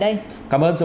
nhiệt độ witnessed